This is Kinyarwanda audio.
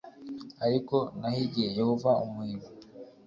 Ariko nahigiye Yehova umuhigo